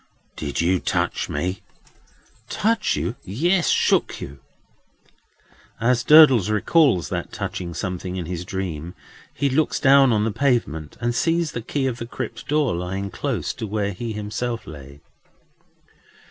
"Did you touch me?" "Touch you! Yes. Shook you." As Durdles recalls that touching something in his dream, he looks down on the pavement, and sees the key of the crypt door lying close to where he himself lay.